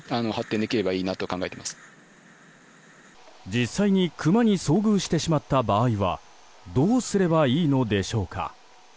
実際にクマに遭遇してしまった場合はどうすればいいのでしょうか。